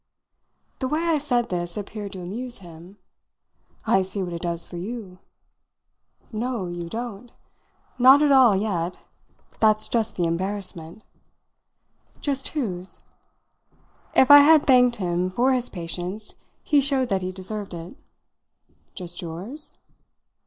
The way I said this appeared to amuse him. "I see what it does for you!" "No, you don't! Not at all yet. That's just the embarrassment." "Just whose?" If I had thanked him for his patience he showed that he deserved it. "Just yours?"